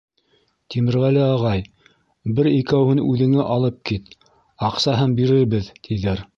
Тимерғәле ағай, бер икәүһен үҙеңә алып кит. Аҡсаһын бирербеҙ, тиҙәр.